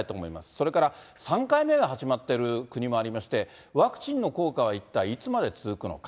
それから、３回目が始まってる国もありまして、ワクチンの効果は一体いつまで続くのか。